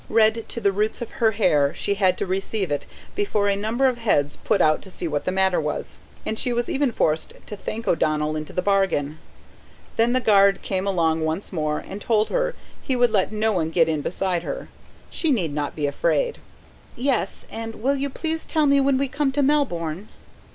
Red to the roots of her hair she had to receive it before a number of heads put out to see what the matter was, and she was even forced to thank O'Donnell into the bargain. Then the guard came along once more, and told her he would let no one get in beside her: she need not be afraid. "Yes. And will you please tell me when we come to Melbourne."